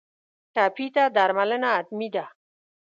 ټپي ته درملنه حتمي ده.